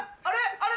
あれ？